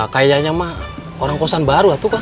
kayaknya mah orang kosan baru lah tuh kang